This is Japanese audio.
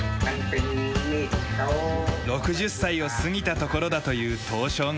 ６０歳を過ぎたところだという刀匠が語る。